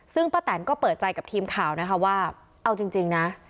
ซึ่งป้าแตนก็เปิดใจกับทีมข่าวนะคะว่าเอาจริงนะ